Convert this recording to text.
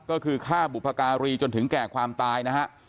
ก็คือฆ่าบุพการีจนถึงแก่ความตายนะฮะ